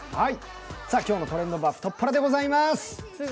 今日の「トレンド部」は太っ腹でございます。